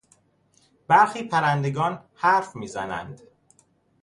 برخی پرندگان حرف میزنند.